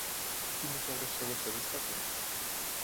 Quines obres seves es destaquen?